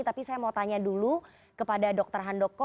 tapi saya mau tanya dulu kepada dr handoko